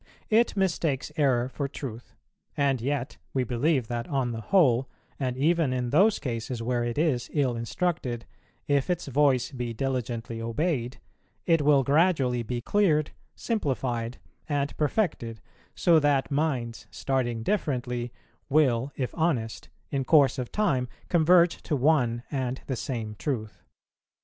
It mistakes error for truth; and yet we believe that on the whole, and even in those cases where it is ill instructed, if its voice be diligently obeyed, it will gradually be cleared, simplified, and perfected, so that minds, starting differently will, if honest, in course of time converge to one and the same truth.